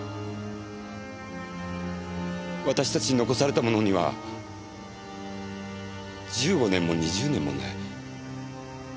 私たち残された者には１５年も２０年もない。